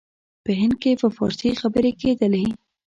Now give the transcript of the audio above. په هند کې په فارسي خبري کېدلې.